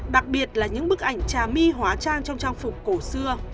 đặc biệt là những bức ảnh trà my hóa trang trong trang phục cổ xưa